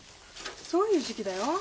そういう時期だよ。